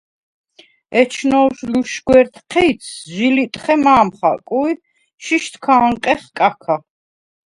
ეჩნოვშ ლუშგვერდ ჴიცს ჟი ლიტხე მა̄მ ხაკუ ი შიშდ ქ’ა̄ნყეხ კაქა.